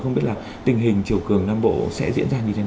không biết là tình hình chiều cường nam bộ sẽ diễn ra như thế nào